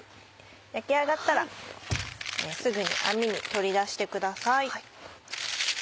焼き上がったらすぐに網に取り出してください。